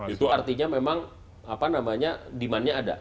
itu artinya memang demandnya ada